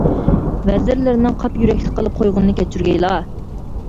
ۋەزىرلىرىنىڭ قاپ يۈرەكلىك قىلىپ قويغىنىنى كەچۈرگەيلا!